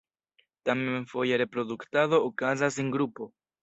Tamen foje reproduktado okazas en grupo.